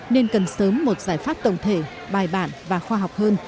nên cần sớm một giải pháp tổng thể bài bản và khoa học hơn